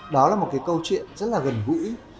đó là một cái câu chuyện rất là gần gũi